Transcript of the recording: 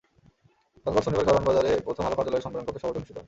গতকাল শনিবার কারওয়ান বাজারে প্রথম আলো কার্যালয়ের সম্মেলনকক্ষে সভাটি অনুষ্ঠিত হয়।